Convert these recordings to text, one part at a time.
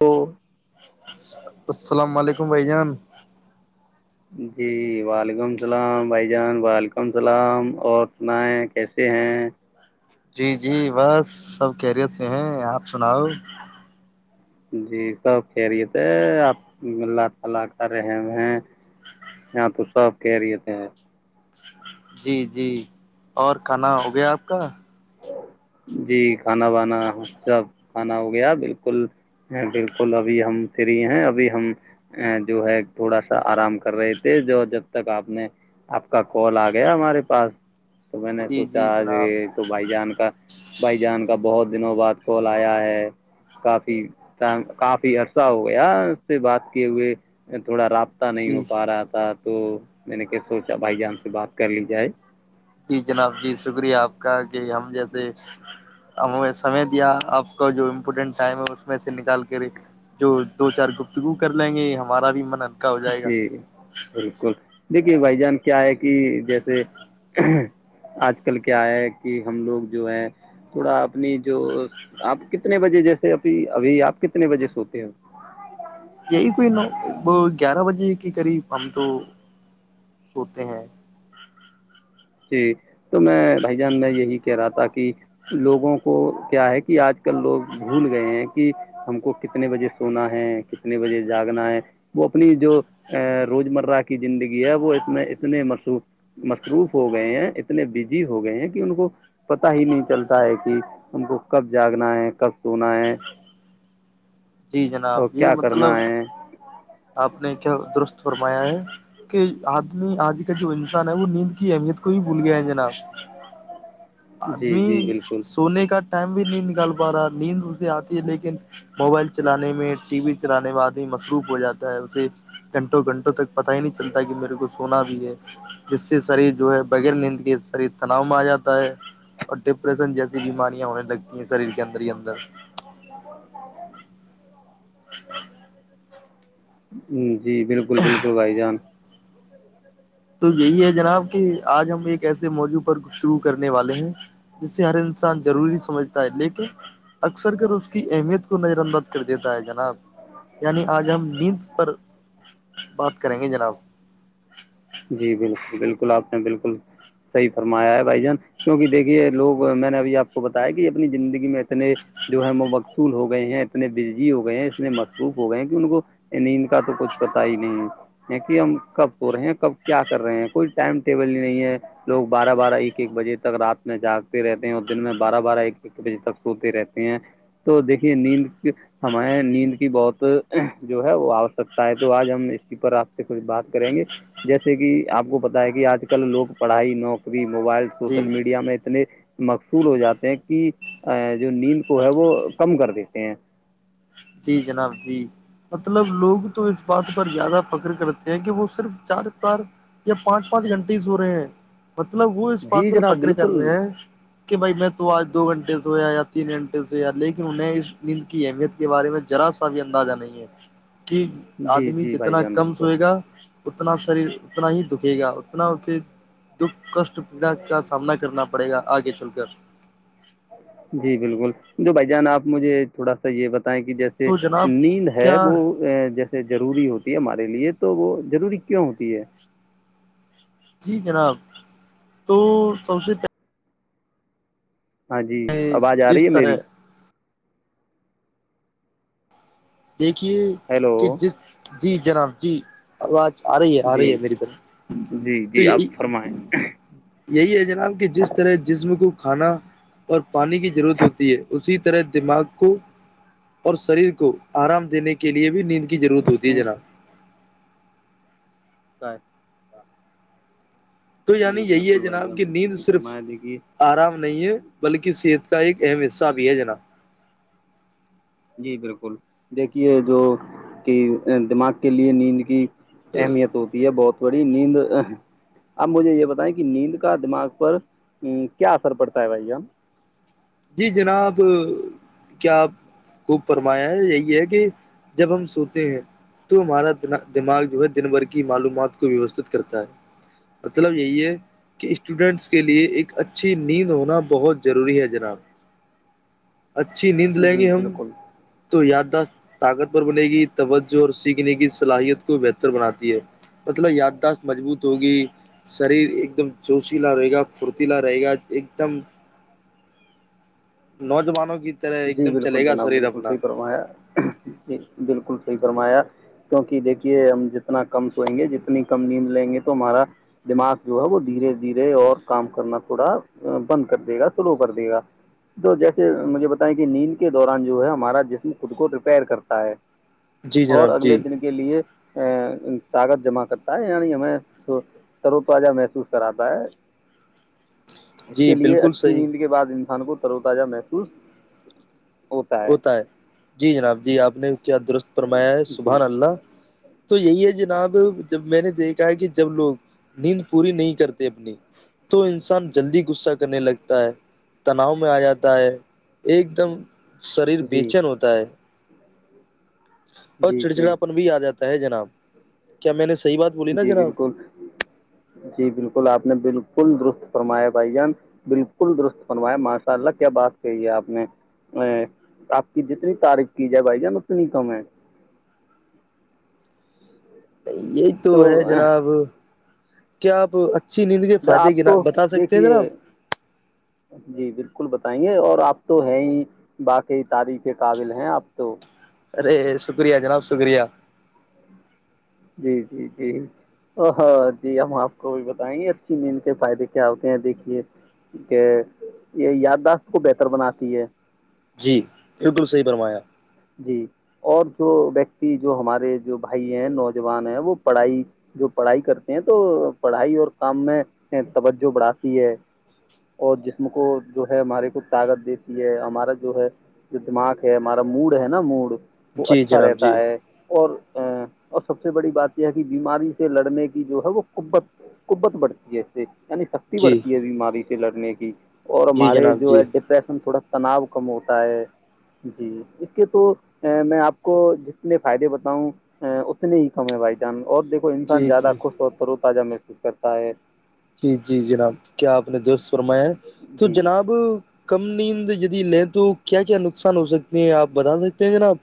تو اچ السلام علیکم بھائی جان جی وعلیکم السلام بھائی جان وعلیکم السلام اور سنائیں کیسے ہیں جی جی بس سب کیریت سے ہیں آپ سناؤ جی سب کہہ رہی تھے آپ اللہ تعالی کا رہ یہاں تو سب کہہ رہی تھے جی جی اور کھانا ہو گیا آپ کا جی کھانا وانا سب کھانا ہو گیا بالکل بالکل ابھی ہم فری ہیں ابھی ہم ا جو ہے تھوڑا سا آرام کر رہے تھے جو جب تک آپ نے آپ کا کال آ گیا ہمارے پاس تو میں نے جی سوچا جی کہ جناب تو بھائی جان کا بھائی جان کا بہت دنوں بعد کال آیا ہے کافی کافی عرصہ ہو گیا اس سے بات کیے ہوئے تھوڑا رابطہ پتا نہیں جی ہو پا رہا تھا تو میں نے کیا سوچا بھائی جان سے بات کر لی جائے جی جناب جی شکریہ آپ کا کہ ہم جیسے ہمیں سمے دیا آپ کا جو امپورٹینٹ ٹائم ہے اس میں سے نکال کر جو دو چار گفتگو کر لیں گے یہ ہمارا بھی منن جی بالکل دیکھیے بھائی جان کیا ہے کہ جیسے آج کل کیا ہے کہ ہم لوگ جو ہے تھوڑا اپنی جو آپ کتنے بجے جیسے اھی ابھی آپ کتنے بجے سوتے ہو یہی کوئی نو وہ گیارہ بجے کے قریب ہم تو سوتے ہیں جی تو میں بھائی جان میں یہی کہہ رہا تھا کہ لوگوں کو کیا ہے کہ آج کل لوگ بھول گئے ہیں کہ ہم کو کتنے بجے سونا ہے کتنے بجے جاگنا ہے وہ اپنی جو ا روز مرہ کی زندگی ہے وہ اتنے اتنے مرو مصروف ہو گئے ہیں اتنے بزی ہو گئے ہیں کہ ان کو پتا ہی نہیں چلتا ہے کہ ان کو کب جاگنا ہے کب سونا ہے جی جناب اور یہ کیا مطلب کرنا ہے آپ نے درست فرمایا ہے کہ آدمی آج کا جو انسان ہے وہ نیند کے کی اہمیت کو ہی بھول گیا ہے جناب نہیں ب جی جی آدمی بالکل سونے کا ٹائم بھی نہیں نکال پا رہا نیند اس سے آتی ہے لیکن موبائل سے چلانے میں ٹی وی چلانے میں آدمی مصروف ہو جاتا ہے اسے گھنٹوں گھنٹوں تک پتا ہی نہیں چلتا کہ میرے کو سونا بھی ہے جس سے شریر جو ہے بغیر نیندگ شریر تناؤ میں آ جاتا ہے اور ڈپریشن جیسی بیماریا ہونے لگ گ یہ شریر کے اندر ہی اندر [inaudible] ہوں جی بالکل بالکل بھائی جان تو یہی ہے جناب کہ آج ہم ایک ایسے موضوع پر گفتگو کرنے والے ہیں جسے ہر انسان ضروری سمجھتا ہے لیکن اکثر کر اس کی اہمیت کو نظر انداز کر دیتا ہے جناب یعنی آج ہم نیند پر بات کریں گے جناب جی بالکل بالکل آپ نے بالکل صحیح فرمایا ہے بھائی جان کیوںکہ دیکھیے لوگ میں نے ابھی آپ کو بتایا کہ اپنی زندگی میں اتنے جو ہے وہ مقصول ہو گئے ہیں اتنے بججی ہو گئے ہیں اتنے مصروف ہو گئے ہیں کہ ان کو نیند کا تو کچھ پتا ہی نہیں ہے کہ ہم کب سو رہے ہیں کب کیا کر رہے ہیں کوئی ٹائم ٹیبل ہی نہیں ہے لوگ بارہ بارہ ایک ایک بجے تک رات میں جاگتے رہتے ہیں اور دن میں بارہ بارہ ایک ایک بجے تک سوتے رہتے ہیں تو دیکھیے نیند ہمیں نیند کی بہت جو ہے وہ آوشکتا ہے تو آج ہم اسی پر آپ سے کچھ بات کریں گے جیسے کہ آپ کو پتا ہے کہ آج کل لوگ پڑھائی نوکری موبائل جی سوشل میڈیا میں اتنے مقصول ہو جاتے ہیں کہ جو نیند کو ہے وہ کم کر دیتے ہیں جی جناب جی مطلب لوگ تو اس بات پر زیادہ فخر کرتے ہیں کہ وہ صرف چار چار یا پانچ پانچ گھنٹے ہی سو رہے ہیں مت الو جی پاتور جناب پکری بالکل کراریں کہ بھائی میں تو آج دو گھنٹے سے ہو یا یا تین گھنٹے سے ہو یا لیکن انہیں اس نیند کی اہمیت کے بارے میں ذرا سا بھی اندازہ نہیں ہے کہ جی آدمی جی بھائی جتنا جان کم بالکل سوئے گا اتنا شریر اتنا ہی دکھے گا اتنا اسے دکھ کشٹ پیڑا کا سامنا کرنا پڑے گا آگے چل کر جی بالکل جو بھ جان آپ مجھے تھوڑا سا یہ بتا ہے کہ جیسے تو جناب نیند ہے کیا وہ جیسے ضروری ہوتی ہے ہمارے لیے تو تو وہ ضروری کیوں ہوتی ہے جی جناب تو سب سے پہ ہاں جی اوج آ رہی جس ہے طرح میری دیکھیے ہیلو کہ جس جی جناب جی آواز آ رہی ہے آ جی رہی ہے میری طرف جی تو جی آپ یہی فرمائیں یہی ہے جناب کہ جس طرح جسم کو کھانا اور پانی کی ضرورت ہوتی ہے اسی طرح دماغ کو اور شریر کو آرام دینے کے لیے بھی نیند کی ضرورت ہوتی ہے ہوں، جناب سھ تو یعنی یہی ہے جناب جان کہ بالکل نیند صحیح صرف فرمایا دیکھیے آرام نہیں ہے بلکہ صحت کا ایک اہم حصہ بھی ہے جناب جی بالکل دیکھیے جو کہ دماغ کے لیے نیند کی اہمیت ہوتی ہے بہت تھوڑی نیند اب مجھے یہ بتائیں کہ نیند کا دماغ پر کیا اثر پڑتا ہے بھائی جی جناب کیا آپ خوب فرمایا ہے یہی ہے کہ جب ہم سوتے ہیں تو ہمارا دماغ جو ہے دن بھر کی معلومات کو ووستت کرتا ہے مطلب یہی ہے کہ اسٹوڈینٹس کے لیے ایک اچھی نیند ہونا بہت ضروری ہے جناب اچھی نیند لیں جی گے ہم بالکل تو یادداشت طاقتور بنے گی توجہ اور سیکھنے کی صلاحیت کو بہتر بناتی ہے مطلب یادداشت مضبوط ہوگی شریر ایک دم جوشیلا رہے گا پھرتیلا رہے گا ایک دم نوجوانوں کی طرح ایک جی دم بالکل چلے گا جناب شریر بالکل اپنا صحیح فرمایا جی بالکل صحیح فرمایا کیونکہ دیکھیے ہم جتنا کم سوئیں گے جتنی کم نیند لیں گے تو ہمارا دماغ جو ہے وہ دھیرے دھیرے اور کام کرنا تھوڑا بند کر دے گا سلو کر دے گا تو جیسے مجھے ب کہ نیند کے دوران جو ہے ہمارا جسم خود کو ریپیئر کرتا ہے جی اور جناب اگلے جی دن کے لیے طاقت جمع کرتا ہے یعنی ہمیں تر و تازہ محسوس کراتا ہے اس جی کے لیئے بالکل اچھی صحیح نیند کے بعد ان خھان کو ترو تجہ محسوس ہوتا ہے جی جناب جی آپ نے کیا درست فرمایا ہے جی سبح اللہ تو یہی ہے جناب جب میں نے دیکھا ہے کہ جب لوگ نیند پوری نہیں کرتے اپنی تو انسان جلدی غصہ کرنے لگتا ہے تناؤ میں آ جاتا ہے ایک دم شریر جی بےچن ہوتا ہے اور جی جی چڑچڑاپن بھی آ جاتا ہے جناب کیا میں نے س جی بالکل جی بالکل آپ نے بالکل ل درست فرمایا بھائی جان بالکل درست فرماائے ماشاء اللہ کیا بات کہی ہے آپ نے ا آپ کی جتنی تاریخ کی جائے بھائی جان اتنی کم ہے نہیں یہ تو ہے جناب کیا آپ اچھی نیند کے فائدے آپ تو بتا سکتے ہیں دیکھیے جناب جی بالکل بتا ئیں گے اور آپ تو ہیں ہی باقی تاریخ کے قابل ہیں اب تو ریس شکریہ جناب شکریہ جی جی جی ہاں جی ہم آپ کو بھی بتائیں گ اچھی نیند کے فائدے کیا ہوتے ہیں دیکھیے کہ یہ یادداشت کو بہتر بناتی ہے جی بالکل صحیح فرمایا جی اور جو ویکتی جو ہمارے جو بھائی ہیں نوجوان ہیں وہ پڑھائی جو پڑھائی کرتے ہیں تو پڑھائی اور کام میں توجہ بڑھاتی ہے اور جسم کو جو ہے ہمارے کو طاقت دیتی ہے ہمارا جو ہے جو دماغ ہے ہمارا موڈ ہے نا مو وہ جی اچھا جناب رہتا جی ہے اور اور سب سے بڑی بات یہ ہے کہ بیماری سے لڑنے کی جو ہے وہ قبت قبت بڑھتی ہے اس سے انی سکتی جی بورتی ا می سے لڑنے کی اور جی ہمارے جناب جو جی ہے ڈپریشن تھوڑا تناؤ کم ہوتا ہے جی اس کہ تو میں آپ کو جتنے فائدے بتاؤں ا اتنے ہی کم ہے بھائی جان اور دھو انسان جی زیادہ جی خوش ہوتا تازہ محسوس کرتا ہے جی جی جناب کیا آپ نے درست فرما ہے تو جی جناب کم نیند دی لیں تو کیا کیا نقصان ہو سکتی ہیں آپ بتا سکتے ہیں جناب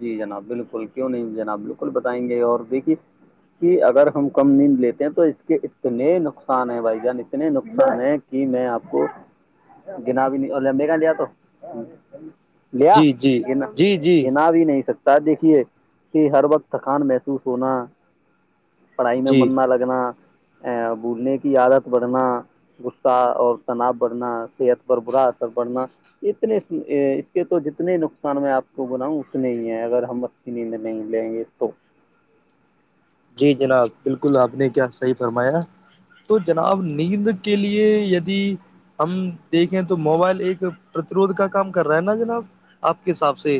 جی جناب بالکل کیوں نہیں جناب بالکل بتائیں گے اور بھی کہ کہ اگر ہم کم نیند لیتے ہیں تو اس کے اتنے نقصان ہیں بھائی جان اتنے نقصان ہیں کہ میں آپ کو گنا بھی نہیںگ لیا تو لیا جی جی گنا جی جی گنا بھی نہیں سکتا دیکھیے کہ ہر وقت تھکان محسوس ہونا پڑھائی میں جی من نہ لگنا ا بولنے کی عادت بڑھنا غصہ اور تناؤ بڑھنا صحت پر برا اثر پڑنا اتنے اس کے تو جتنے نقصان میں آپ بلا اس میں ہی ہے اگر ہم اچھی نیند نہیں لیں گے تو جی جناب بالکل آپ نے کیا صحیح فرمایا تو جناب نیند کے لیے یدی ہم دیکھیں تو موبائل ایک پرتروھ کا کام کر رہا ہے نا جناب آپ کے حساب سے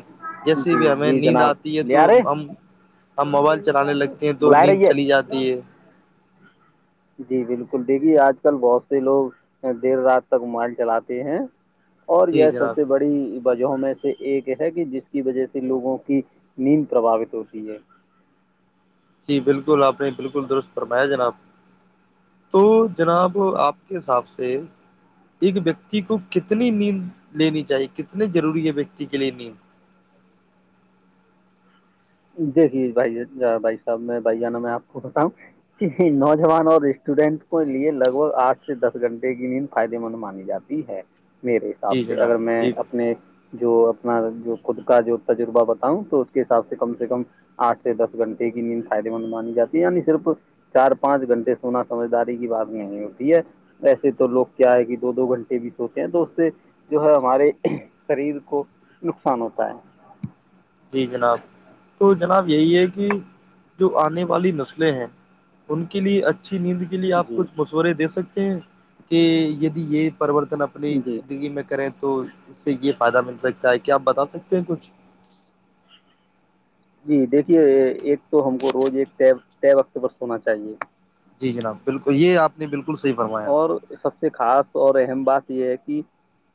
جی جیسی بھی ہمیں جی نیند جناب آتی ہے لے تو آ رہے ہم ہم موبائل چلانے لگے تو بلا نیند رہی ہے چلی جاتی ہے جی بالکل دیکھیی آج کل بہت سے لوگ دیر رات تک مبائل چلاتے ہیں اور جی یہ سب جناب سے بڑی بات میں سے ایک ہے کہ جس کی وجہ سے لوگوں کی نیند پرباوت ہوتی ہے جی بالکل آپ نے بالکل درست فرمایا جناب تو جناب آپ کے حساب سے ایک ویکتی کو کتنی نیند لینی چاہیے کتنی ضروری ہے ویکتی کے لیے نیند دیکھیے بھائی بھائی صاحب میں بھائی جانا میں آپ کو بتاؤ کہ نوجوان اور اسٹوڈینٹ کو لیے لگ بھگ آٹھ سے دس گھنٹے کی نیند فائدے مند مانی جاتی ہے میرے حساب جی سے جناب اگر میں جی اپنے جو اپ جو خود کا جو تجربہ بتاؤں تو اس کے حساب سے سے کم سے کم آٹھ سے دس گھنٹے کی نیند فائدے مند مانی جاتی ہے یعنی صرف چار پانچ گھنٹے سونا سمجھداری کی بات نہیں ہوتی ہے ایسے تو لوگ کیا ہے کہ دو دو گھنٹے بھی سوتے ہیں تو اس سے جو ہے ہمارے شریر کو نقصان ہوتا ہے جی جناب تو جناب یہی ہے کہ جو آنے والی نسلیں ہیں ان کے لیے اچھی اچھی نیند کے لیے آپ جی کھ مشورے دے سکتے کہ ید یہ پرریوررتن اپنی جی زندگی میں کریں تو تو اس سے یہ فائدہ مل سکتا ہے کیا آپ بتا سکتے ہیں کچھ جی دیکھیے ایک تو ہم کو روز ایکے طے وقت پر سونا چاہیے جی جناب بالکل یہ آپ نے بالکل صحیح فرمایا اور سب سے خاص اور اہم بات یہ ہے کہ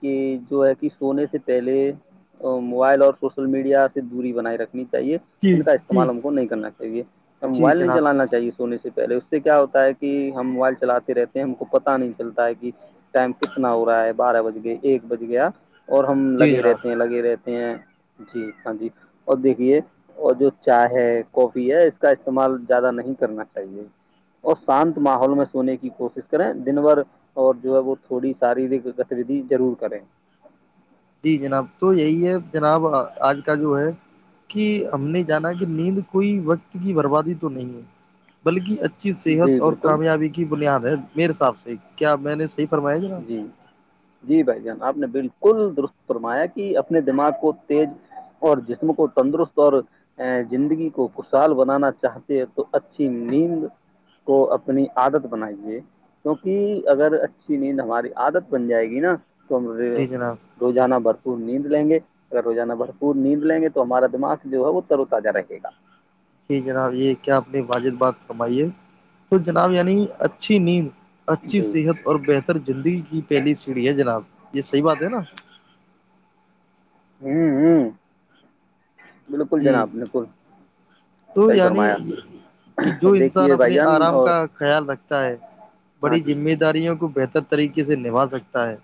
کہ جو ہے کہ سونے سے پہلے موبائل اور سوشل میڈیا سے دوری بنائے رکھے نی چاہیے جی جن کا جی استعمال ہم کو نہیں کرنا چاہیے جی موبائل نہیں جناب جی چلانا چاہیے سونے سے پہلے اس سے کیا ہوتا ہے کہ ہم موبائل چلاتے رہتے ہم کو پتا نہیں چلتا ہے کہ ٹائم کتنا ہو رہا ہے بارہ بج گیا ایک بج گیا اور ہم جی لگے جناب رہتے ہیں لگے رہتے جی ہاں جی اور دیکھیے اور جو چائے ہے کافی ہے اس کا استعمال زیادہ نہیں کرنا چاہیے اور شانت ماحول میں سونے کی کوشش کریں دن بھر اور جو ہے وہ تھوڑی ساری گتیودھی ضرور کریں جی جناب تو یہی ہے جناب آج کا جو ہے کہ س نہیں جانا کہ نیند کوئی وقت کی بات بربادی تو نہیں ہے بلکہچ ا صحت جی اور بالکل کامیابی کی بنیاد ہے میرے حساب سے کیا میں نے فرمایا جناب جی جی بھائی جان آپ نے بالکل کل درست فرمایا کہ اپنے دماغ کو تیز اور جسم کو تندرست اور زندگی کو خوشحال بنانا چاہتے ہے تو اچھی نیند کو اپنی عادت بنائیے کیونکہ اگر ا ا نیند ہماری عادت بن جائے گی نا تو ہمے جی جناب روانہ بر نیند لیں گے اگر روزانہ بھرپور نیند لیں گے تو ہمارا دماغ جو ہے وہ ترو تازہ رہے گا جی جناب یہ کیا آپ نے واجد بات فمائی ہے تو جناب یعنی اچھی نیند اچھی جی صحت اور بہتر زندگی کی پہلی سیڑھی ہے جناب یہ صحیح بات ہے نا ہوں ہوں بالکل جی جناب بالکل تو صحیح یعنی فرمایا کہ جو انسان دیکھیے بھائی اپنے جان آرام اور کا خیال رکھتا ہے ہاں بڑی جی ذمہ داریوں کو بہتر طریقے سے نبھا سکتا ہے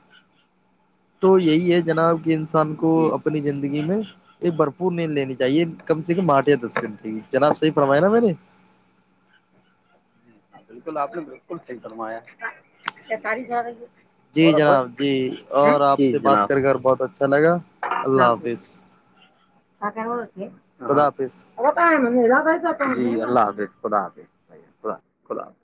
تو یہی ہے جناب کہ ان انسان کو جی اپنی زندگی میں ایک برپ پورن لینی چاہیے کم سے کم آٹھ یا دس گنٹ جناب صحیح فرماائے نا میں نے بالکل آپ نے بالکل سحی فمایا تاری س جی جناب جی اور آپ سے بات کر کر بہت اچھا لگا کیا اللہ ا حافظ م لگا جی اللہ حافظ خدا حافظ بھ خداظ خدا حاظ